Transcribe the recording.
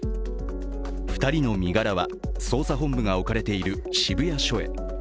２人の身柄は捜査本部が置かれている渋谷署へ。